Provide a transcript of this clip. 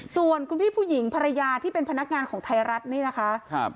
ส่วนคุณพี่ผู้หญิงภรรยาที่เป็นพนักงานของไทยรัฐนี่นะคะ